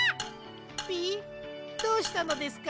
ピイ？どうしたのですか？